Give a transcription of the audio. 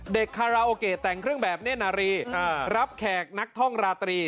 เด็กการาโอเก่แต่งเครื่องแบบเน่นารี